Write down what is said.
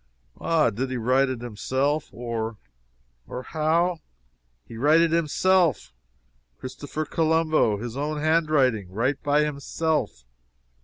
"Ah did he write it himself; or or how?" "He write it himself! Christopher Colombo! He's own hand writing, write by himself!"